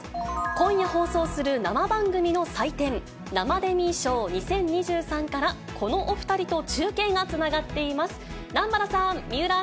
今夜放送する生番組の祭典、生デミー賞２０２３から、このお２人と中継がつながっています。